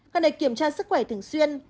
cần phải kiểm tra sức khỏe thường xuyên